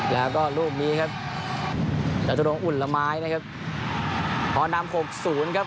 แล้วก็ลูกนี้ครับจตุรงอุ่นละไม้นะครับพอนำหกศูนย์ครับ